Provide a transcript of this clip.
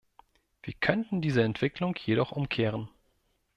Wir könnten diese Entwicklung jedoch umkehren.